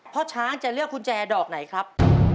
พ่อช้างจะเลือกกุญแจดอกไหนครับ